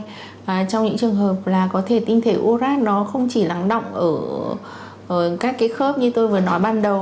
trong những trường hợp là có thể tinh thể urat nó không chỉ lắng động ở các cái khớp như tôi vừa nói ban đầu